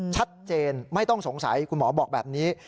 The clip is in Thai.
ชัดเจนไม่ต้องสงสัยคุณหมอบอกแบบนี้